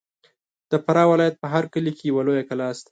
د فراه ولایت په هر کلي کې یوه لویه کلا سته.